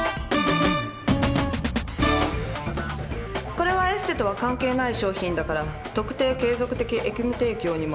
これはエステとは関係ない商品だから特定継続的役務提供にも当てはまらない。